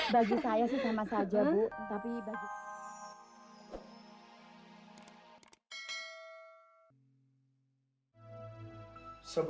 bagi saya sih sama saja bu